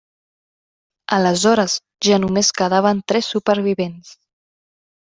Aleshores ja només quedaven tres supervivents.